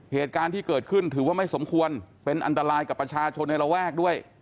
เหตุการณ์ที่เกิดขึ้นถือว่าไม่สมควรเป็นอันตรายกับประชาชนในระแวกด้วย